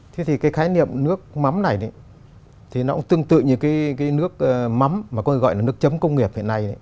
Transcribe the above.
thế thì cái khái niệm nước mắm này nó cũng tương tự như cái nước mắm mà có gọi là nước chấm công nghiệp hiện nay